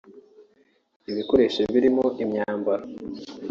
ibikoresho birimo imyambaro